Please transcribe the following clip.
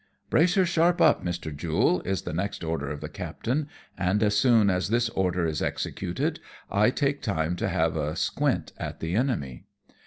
" Brace her sharp up, Mr. Jule," is the next order of the captain ; and as soon as this order is executed, I take time to have a squint at the enemy.